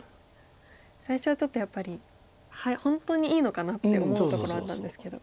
最初はちょっとやっぱり本当にいいのかなって思うところあったんですけど。